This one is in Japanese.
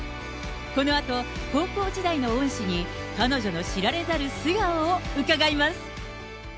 このあと、高校時代の恩師に、彼女の知られざる素顔をうかがいます。